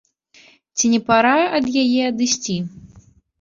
Ці не пара ад яе адысці?